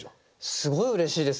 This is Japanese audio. すごいうれしいです。